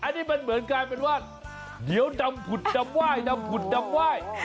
อันนี้มันเหมือนกลายเป็นว่าเดี๋ยวดำผุดดำไหว้ดำผุดดำไหว้